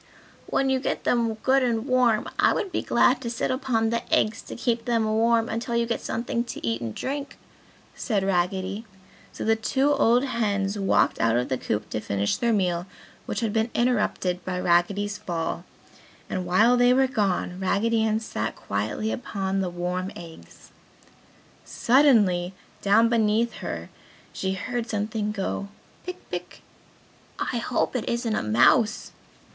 "When you get them good and warm, I would be glad to sit upon the eggs to keep them warm until you get something to eat and drink!" said Raggedy. So the two old hens walked out of the coop to finish their meal which had been interrupted by Raggedy's fall and while they were gone, Raggedy Ann sat quietly upon the warm eggs. Suddenly down beneath her she heard something go, "Pick, pick!" "I hope it isn't a mouse!"